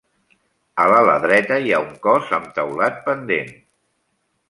A l'ala dreta hi ha un cos amb teulat pendent.